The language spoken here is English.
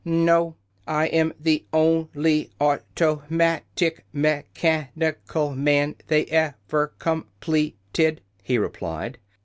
"No; I am the on ly au to mat ic me chan i cal man they ev er com plet ed," he replied.